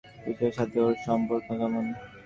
ফিটজরয়ের সাথে ওর সম্পর্ক কেমন?